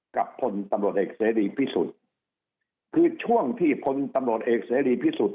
กับพลตำรวจเอกเสรีพิสุทธิ์คือช่วงที่พลตำรวจเอกเสรีพิสุทธิ์